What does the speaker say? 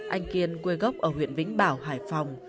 anh kiên quê gốc ở huyện vĩnh bảo hải phòng